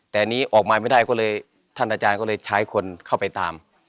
แต่อันนี้ออกมาไม่ได้ก็เลยท่านอาจารย์ก็เลยใช้คนเข้าไปตาม